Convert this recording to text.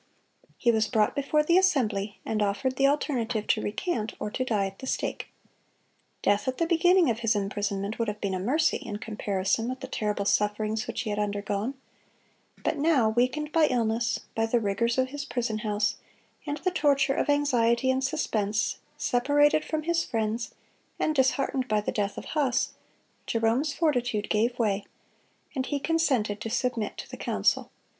He was brought before the assembly, and offered the alternative to recant, or to die at the stake. Death at the beginning of his imprisonment would have been a mercy, in comparison with the terrible sufferings which he had undergone; but now, weakened by illness, by the rigors of his prison house, and the torture of anxiety and suspense, separated from his friends, and disheartened by the death of Huss, Jerome's fortitude gave way, and he consented to submit to the council.